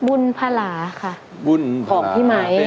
บุญภาราฯใช่ปุงของพี่มัย